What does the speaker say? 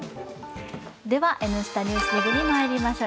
では、「Ｎスタ・ＮＥＷＳＤＩＧ」にまいりましょう。